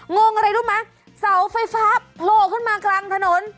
งงอะไรรู้ไหมเสาไฟฟ้าโผล่ขึ้นมากลางถนน